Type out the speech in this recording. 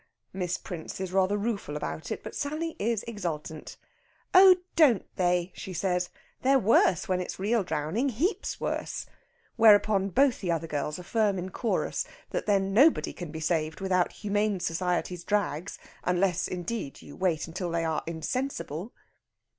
Miss Prince is rather rueful about it. But Sally is exultant. "Oh, don't they!" she says. "They're worse when it's real drowning heaps worse!" Whereon both the other girls affirm in chorus that then nobody can be saved without the Humane Society's drags unless, indeed, you wait till they are insensible.